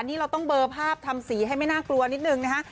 นี่เราต้องเบอร์ภาพทำสีให้ไม่น่ากลัวนิดนึงนะคะ